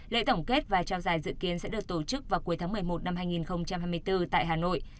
lễ tổng kết và trao giải dự kiến sẽ được tổ chức vào cuối tháng một mươi một năm hai nghìn hai mươi bốn tại hà nội